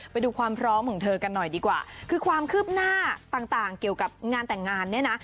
ไปดูความพร้อมของเธอกันหน่อยดีกว่าคือความคืบหน้าต่างเกี่ยวกับงานแต่งงานเนี่ยนะ